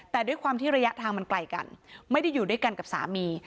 แต่ด้วยความที่ระยะทางมันไกลกันไม่ได้อยู่ด้วยกันกับสามี